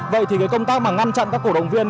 vậy thì công tác ngăn chặn các cổ động viên